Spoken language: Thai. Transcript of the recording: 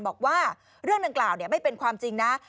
บอกว่าเรื่องดังกล่าวไม่เป็นความจริงนะ